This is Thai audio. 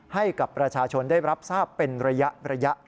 ให้กับประชาชนได้รับทราบเป็นระยะ